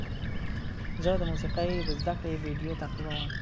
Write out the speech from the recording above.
زه د موسیقۍ د زده کړې ویډیو تعقیبوم.